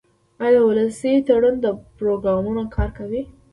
آیا د ولسي تړون پروګرام کار کوي؟